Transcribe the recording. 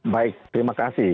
baik terima kasih